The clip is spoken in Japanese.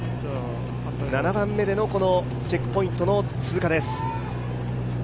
７番目でのチェックポイントの通過です。